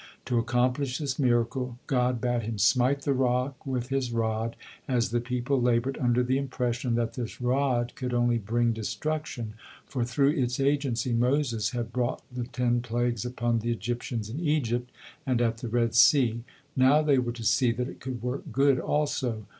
To accomplish this miracle, God bade him smite the rock with his rod, as the people labored under the impression that this rod could only bring destruction, for through its agency Moses had brought the ten plagues upon the Egyptians in Egypt, and at the Red Sea; now they were to see that it could work good also.